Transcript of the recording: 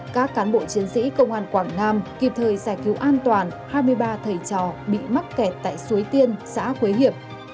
các cán bộ chiến sĩ công an quảng nam kịp thời giải cứu an toàn hai mươi ba thầy trò bị mắc kẹt tại suối tiên xã quế hiệp